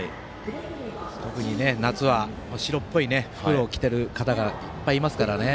特にね夏は白っぽい服を着てる方がいっぱいいますから。